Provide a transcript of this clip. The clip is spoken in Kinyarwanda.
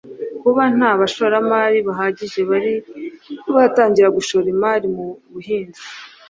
kuba nta bashoramari bahagije bari batangira gushora imari mu buhinzi